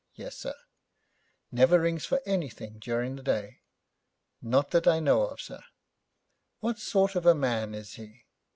'Yes, sir.' 'Never rings for anything during the day?' 'Not that I know of, sir.' 'What sort of a man is he?'